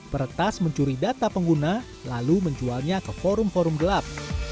peretas mencuri data pengguna lalu menjualnya ke forum forum gelap